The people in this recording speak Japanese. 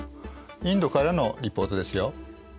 インドからのリポートですよ。